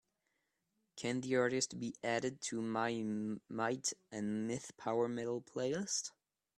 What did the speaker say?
Can the artist be added to my Might and Myth Power Metal playlist?